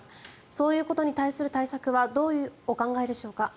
そういうことに対する対策はどうお考えでしょうか？